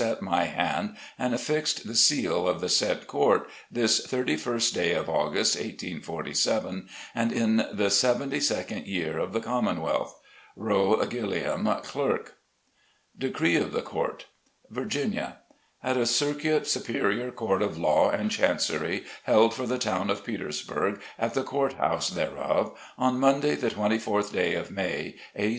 r t my hand and affixed the seal of the said I CTf A T I J L '•» Court, this thirty first day of August, 1847, and in the seventy second year of the Commonwealth. RO. GILLIAM, Clerk. In Chancery. DECREE OF THE COURT. VIRGINIA: At a Circuit Superior Court of Law and Chancery, held for the town of Petersburg, at the court house thereof, on Monday, the 24th day of May, A.